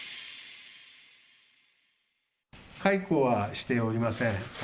解雇はしておりません。